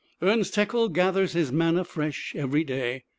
Ernst Haeckel gathers his manna fresh every day.